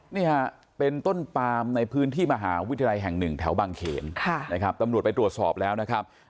นี่ฮะเป็นต้นปามในพื้นที่มหาวิทยาลัยแห่งหนึ่งแถวบางเขนนะครับตำรวจไปตรวจสอบแล้วนะครับ